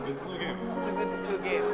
すぐつくゲーム。